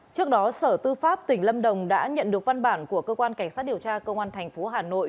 trước đó sở tư pháp tỉnh lâm đồng đã nhận được văn bản của cơ quan cảnh sát điều tra công an tp hà nội